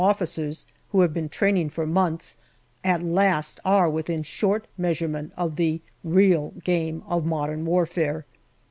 officers, who have been training for months, at last are within short measure ment of the real game of modern warfare.